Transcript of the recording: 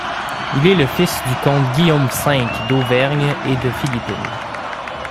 Il est le fils du comte Guillaume V d'Auvergne et de Philippine.